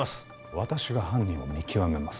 私が犯人を見極めます